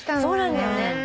そうなんだよね。